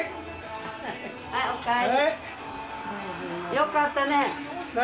よかったね。